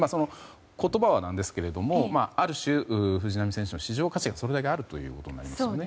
言葉はあれですが、ある種藤浪選手の市場価値がそれだけあるということですね。